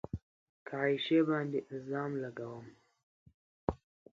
که عایشې باندې الزام لګوم